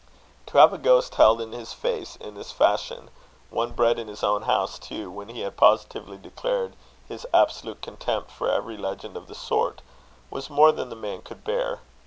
To have a ghost held in his face in this fashion, one bred in his own house, too, when he had positively declared his absolute contempt for every legend of the sort, was more than man could bear.